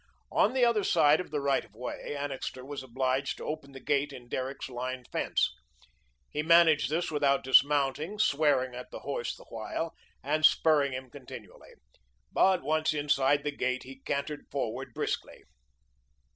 On the other side of the right of way, Annixter was obliged to open the gate in Derrick's line fence. He managed this without dismounting, swearing at the horse the while, and spurring him continually. But once inside the gate he cantered forward briskly.